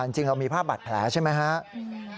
จริงเรามีภาพบาดแผลใช่ไหมครับ